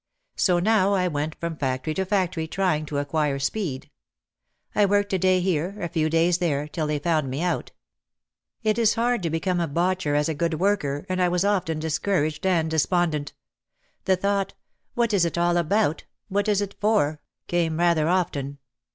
So now I went from factory to factory trying to acquire speed. I worked a day here, a few days there, till they found me out. It is as hard to become a botcher as a good worker and I was often discouraged and despondent. The thought, "What is it all about — what is it for?" came rather often.